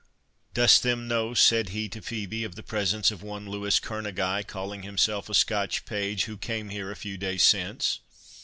—"Dost them know," said he to Phœbe, "of the presence of one Louis Kerneguy, calling himself a Scotch page, who came here a few days since?"